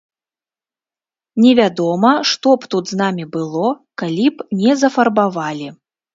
Невядома, што б тут з намі было, калі б не зафарбавалі.